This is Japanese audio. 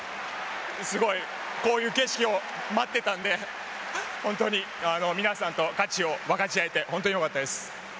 すごいこういう景色を待っていたんで本当に、皆さんと勝ちを分かち合えて本当によかったです。